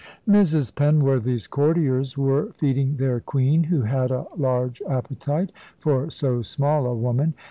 Mrs. Penworthy's courtiers were feeding their queen, who had a large appetite for so small a woman.